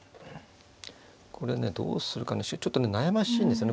これねどうするかねちょっと悩ましいんですよね。